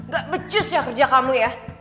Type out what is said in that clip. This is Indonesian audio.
gak becus ya kerja kamu ya